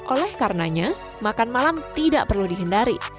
oleh karenanya makan malam tidak perlu dihindari